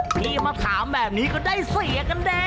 พี่มาถามแบบนี้ก็ได้เสีย